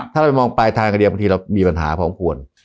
ถ้าเราไปมองปลายทางคดีบางทีเรามีปัญหาพอควร